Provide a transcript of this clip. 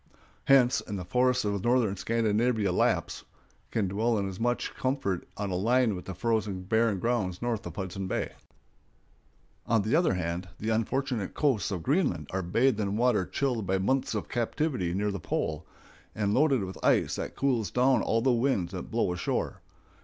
Hence in the forests of northern Scandinavia Laps can dwell in much comfort on a line with the frozen barren grounds north of Hudson Bay. [Illustration: A ROUGH NIGHT IN THE GULF STREAM.] On the other hand, the unfortunate coasts of Greenland are bathed in water chilled by months of captivity near the pole, and loaded with ice that cools down all the winds that blow ashore.